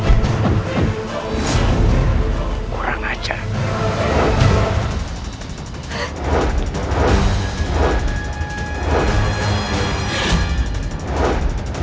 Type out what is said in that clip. pergi kalian dari sini